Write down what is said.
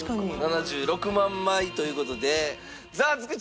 ７６万枚という事で。